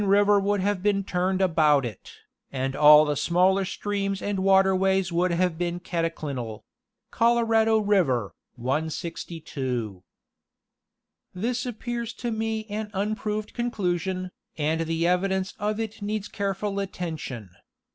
river would have been turned about it, and all the smaller streams and waterways would have been cataclinal" (Colorado River, 162). Rivers of Northern New Jersey. 105 This appears to me an unproved conclusion, and the eyvi dence of it needs careful attention.